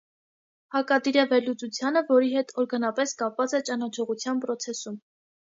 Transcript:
Հակադիր է վերլուծությանը, որի հետ օրգանապես կապված է ճանաչողության պրոցեսում։